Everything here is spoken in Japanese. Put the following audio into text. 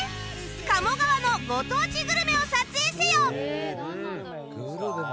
鴨川のご当地グルメを撮影せよ！